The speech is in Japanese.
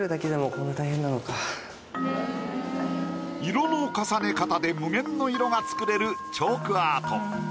色の重ね方で無限の色が作れるチョークアート。